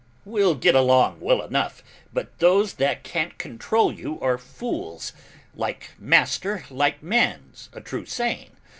We'll get along well enough, but those that can't control you are fools; like master like man's a true saying.